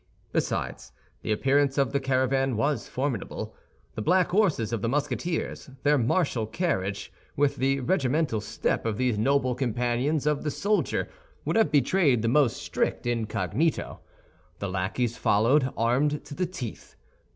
Besides, the appearance of the caravan was formidable. The black horses of the Musketeers, their martial carriage, with the regimental step of these noble companions of the soldier, would have betrayed the most strict incognito. The lackeys followed, armed to the teeth.